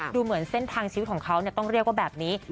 ดูเหมือนเส้นทางชีวิตของเขาต้องเรียกว่าแบบนี้